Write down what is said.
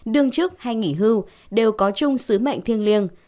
đương chức hay nghỉ hưu đều có chung sứ mệnh thiêng liêng